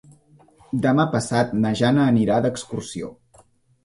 Demà passat na Jana irà d'excursió.